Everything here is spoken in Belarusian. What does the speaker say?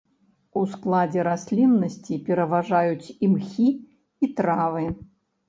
У складзе расліннасці пераважаюць імхі і травы.